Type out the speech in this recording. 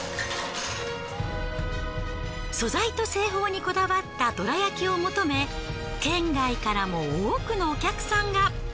素材と製法にこだわったどら焼きを求め県外からも多くのお客さんが。